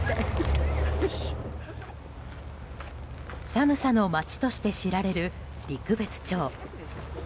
寒さの町として知られる陸別町。